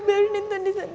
biarin nintan di sana